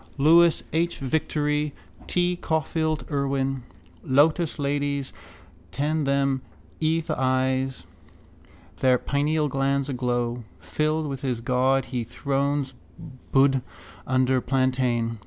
Louis H. Victory. T. Caulfield Irwin. Lotus ladies tend them i'the eyes, their pineal glands aglow. Filled with his god, he thrones, Buddh under plantain.